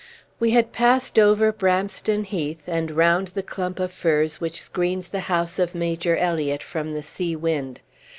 We had passed over Bramston Heath and round the clump of firs which screens the house of Major Elliott from the sea wind.